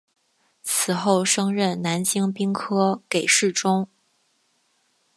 此后升任南京兵科给事中。